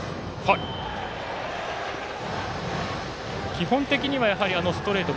基本的にはストレート。